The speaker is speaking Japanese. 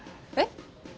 えっ。